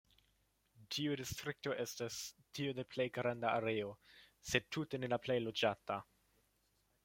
Tiu distrikto estas tiu de plej granda areo, sed tute ne la plej loĝata.